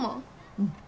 うん。